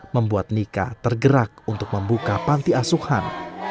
membuat nika tergerak untuk membuka panti asuhan